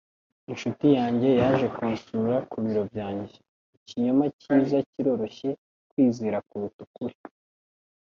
Inshuti yanjye yaje kunsura ku biro byanjye. Ikinyoma cyiza kiroroshye kwizera kuruta ukuri